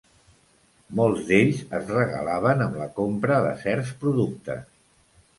Molts d'ells es regalaven amb la compra de certs productes.